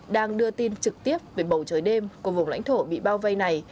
đang đưa tin trực tiếp về bầu trời đêm của vùng lãnh thổ bị bao vây này